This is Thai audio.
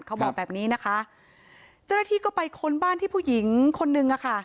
เขาบอกแบบนี้นะคะเจ้าหน้าที่ก็ไปค้นบ้านที่ผู้หญิงคนนึงอะค่ะ